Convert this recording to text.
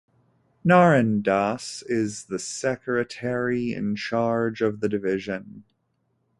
Naren Das is the Secretary in charge of the Division.